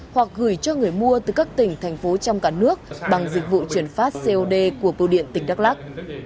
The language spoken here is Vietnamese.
hoặc gửi cho người mua từ các tỉnh thành phố trong cả nước bằng dịch vụ chuyển phát cod của bưu điện tỉnh đắk lắc